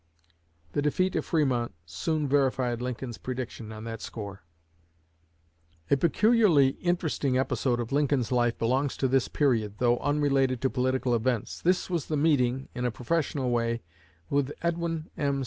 '" The defeat of Fremont soon verified Lincoln's prediction on that score. A peculiarly interesting episode of Lincoln's life belongs to this period, though unrelated to political events. This was the meeting, in a professional way, with Edwin M.